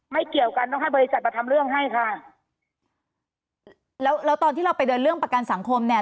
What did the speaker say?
เกี่ยวกันต้องให้บริษัทมาทำเรื่องให้ค่ะแล้วแล้วตอนที่เราไปเดินเรื่องประกันสังคมเนี่ย